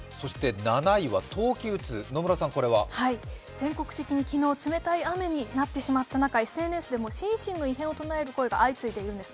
全国的に昨日、冷たい雨になってしまった中、ＳＮＳでも心身の異変を訴える声が相次いでいるんです。